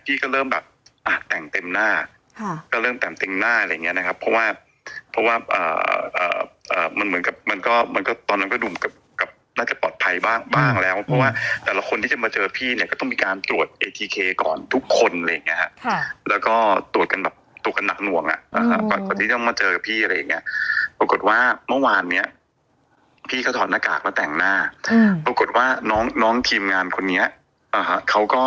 พี่ก็เริ่มแบบอ่ะแต่งเต็มหน้าก็เริ่มแต่งเต็มหน้าอะไรอย่างเงี้ยนะครับเพราะว่าเพราะว่าอ่าอ่าอ่ามันเหมือนกับมันก็มันก็ตอนนั้นก็ดุมกับกับน่าจะปลอดภัยบ้างบ้างแล้วเพราะว่าแต่ละคนที่จะมาเจอพี่เนี้ยก็ต้องมีการตรวจเอทีเคก่อนทุกคนอะไรอย่างเงี้ยฮะแล้วก็ตรวจกันแบบตรวจกันหนักหน่วงอ่